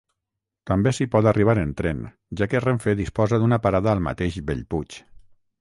També s'hi pot arribar en tren, ja que Renfe disposa d'una parada al mateix Bellpuig.